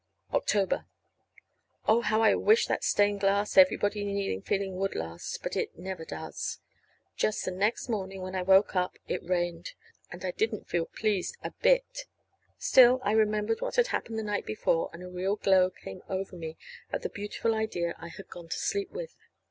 October. Oh, how I wish that stained window, everybody kneeling feeling would last. But it never does. Just the next morning, when I woke up, it rained. And I didn't feel pleased a bit. Still I remembered what had happened the night before, and a real glow came over me at the beautiful idea I had gone to sleep with.